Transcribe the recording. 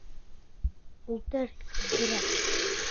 Ултыр тиҙерәк!